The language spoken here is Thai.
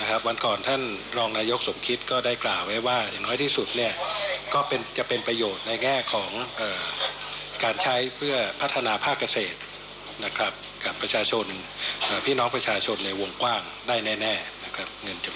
นะครับวันก่อนท่านรองนายกสมคิตก็ได้กล่าวไว้ว่าอย่างน้อยที่สุดเนี่ยก็จะเป็นประโยชน์ในแง่ของการใช้เพื่อพัฒนาภาคเกษตรนะครับกับประชาชนพี่น้องประชาชนในวงกว้างได้แน่นะครับ